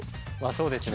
そうですね。